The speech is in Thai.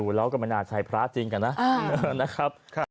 ดูแล้วก็มันอาจใช้พระจริงกันนะ